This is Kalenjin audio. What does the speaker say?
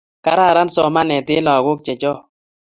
Kararan somanet en lakok che chong